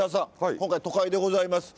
今回都会でございます。